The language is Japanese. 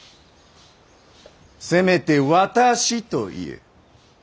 せめて私と言え。